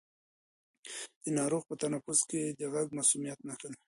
د ناروغ په تنفس کې غږ د مسمومیت نښه ده.